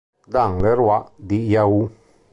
Dan Leroy di Yahoo!